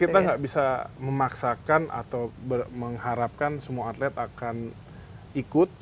kita nggak bisa memaksakan atau mengharapkan semua atlet akan ikut